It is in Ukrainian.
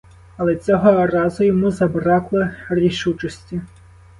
Але цього разу йому забракло рішучості.